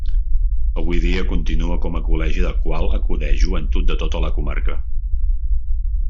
Avui dia continua com a col·legi al qual acudeix joventut de tota la comarca.